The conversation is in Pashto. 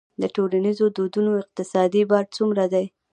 د ټولنیزو دودونو اقتصادي بار څومره دی؟